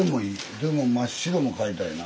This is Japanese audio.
でも真っ白も買いたいな。